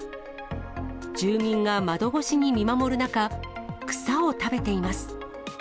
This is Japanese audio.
住民が窓越しに見守る中、草を食べています。